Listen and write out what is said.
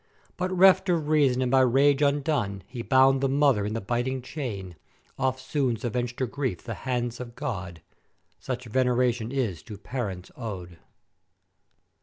But reft of reason and by rage undone he bound the Mother in the biting chain: Eftsoons avenged her griefs the hand of God: Such veneration is to parents ow'd.